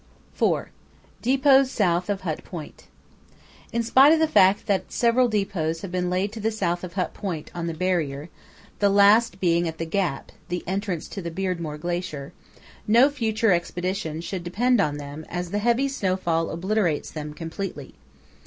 (4) DEPOTS SOUTH OF HUT POINT In spite of the fact that several depots have been laid to the south of Hut Point on the Barrier, the last being at the Gap (the entrance to the Beardmore Glacier), no future Expedition should depend on them as the heavy snowfall obliterates them completely.